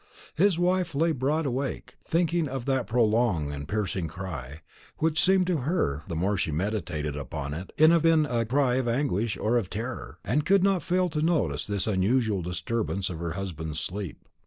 His wife lay broad awake, thinking of that prolonged and piercing cry, which seemed to her, the more she meditated upon it, in have been a cry of anguish or of terror, and could not fail to notice this unusual disturbance of her husband's sleep.